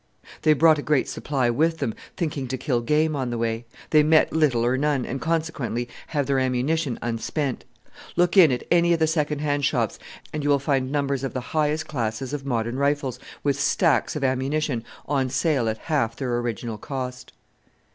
"They brought a great supply with them, thinking to kill game on the way. They met little or none, and consequently have their ammunition unspent. Look in at any of the second hand shops, and you will find numbers of the highest class of modern rifles, with stacks of ammunition, on sale at half their original cost."